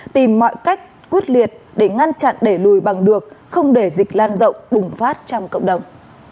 tìm mọi cách quyết liệt để ngăn chặn đẩy lùi bằng được không để dịch lan rộng bùng phát trong cộng đồng